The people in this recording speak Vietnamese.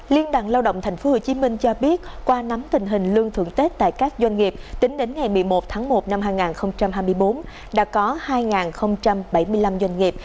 liên đoàn lao động thành phố hồ chí minh cho biết qua nắm tình hình lương thưởng tết tại các doanh nghiệp tính đến ngày một mươi một tháng một năm hai nghìn hai mươi bốn đã có hai bảy mươi năm doanh nghiệp